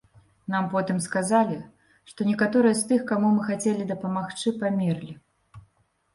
Нам потым сказалі, што некаторыя з тых, каму мы хацелі дапамагчы, памерлі.